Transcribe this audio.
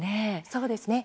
そうですね。